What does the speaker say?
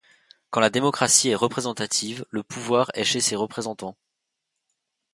Quand la démocratie est représentative, le pouvoir est chez ses représentants